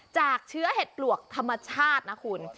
จากเชื้อเห็ดปลวกธรรมชาตินะคุณ